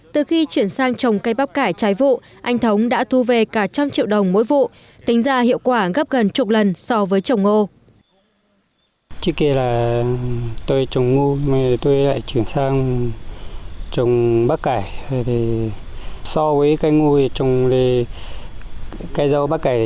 từ khi chuyển sang trồng cây bắp cải trái vụ anh thống đã thu về cả trăm triệu đồng mỗi vụ tính ra hiệu quả gấp gần chục lần so với trồng ngô